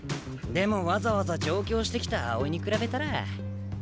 でもわざわざ上京してきた青井に比べたら。